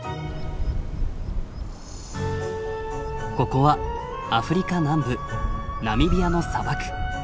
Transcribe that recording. ここはアフリカ南部ナミビアの砂漠。